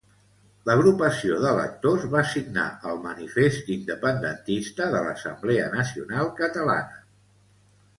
L'agrupació d'electors va signar el manifest independentista de l'Assemblea Nacional Catalana.